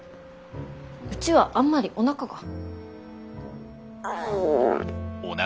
うちはあんまりおなかが。